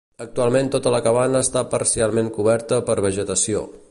Actualment tota la cabana està parcialment coberta per vegetació.